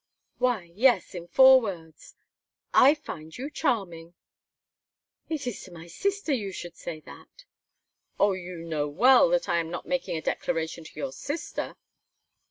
"Why, yes, in four words I find you charming!" "It is to my sister you should say that!" "Oh! you know well that I am not making a declaration to your sister."